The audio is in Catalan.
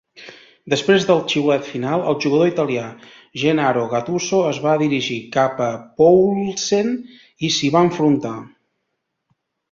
Després del xiulet final, el jugador italià Gennaro Gattuso es va dirigir cap a Poulsen i s'hi va enfrontar.